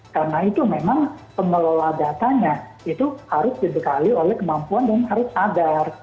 karena itu memang pengelola datanya itu harus dibekali oleh kemampuan dan harus sadar